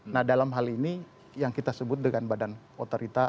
nah dalam hal ini yang kita sebut dengan badan otorita